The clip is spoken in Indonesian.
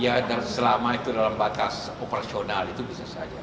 ya selama itu dalam batas operasional itu bisa saja